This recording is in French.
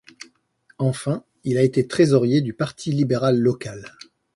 Enfin, il a été trésorier du Parti libéral local.